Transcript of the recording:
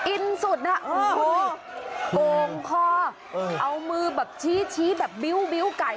อินสุดน่ะโอ้โหโกงคอเอามือแบบชี้แบบบิ้วไก่